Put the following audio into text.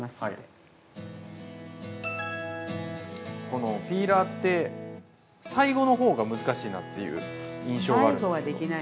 このピーラーって最後の方が難しいなっていう印象があるんですけど。